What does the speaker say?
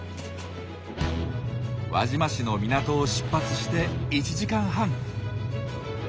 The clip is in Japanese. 輪島市の港を出発して１時間半。